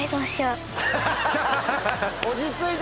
落ち着いて！